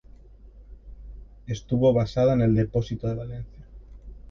Estuvo basada en el depósito de Valencia.